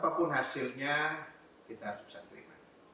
apapun hasilnya kita harus bisa terima